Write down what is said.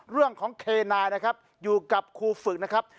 เรื่องของเคนายนะครับอยู่กับครูฝึกนะครับ